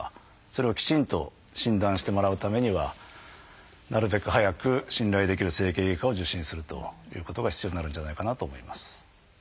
それをきちんと診断してもらうためにはなるべく早く信頼できる整形外科を受診するということが必要になるんじゃないかなと思います。